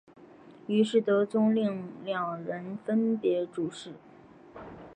于是德宗令二人分别主事。